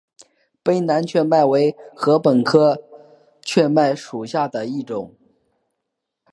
卑南雀麦为禾本科雀麦属下的一个种。